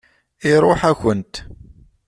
Iṛuḥ-akent.